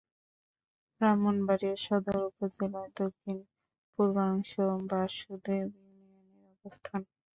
ব্রাহ্মণবাড়িয়া সদর উপজেলার দক্ষিণ-পূর্বাংশে বাসুদেব ইউনিয়নের অবস্থান।